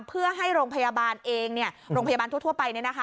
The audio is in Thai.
เพื่อให้โรงพยาบาลเองโรงพยาบาลทั่วไป